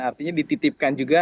artinya dititipkan juga